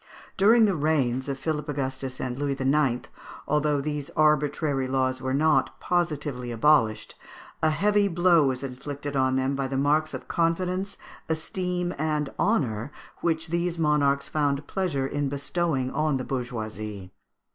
During the reigns of Philip Augustus and Louis IX., although these arbitrary laws were not positively abolished, a heavy blow was inflicted on them by the marks of confidence, esteem, and honour which these monarchs found pleasure in bestowing on the bourgeoisie.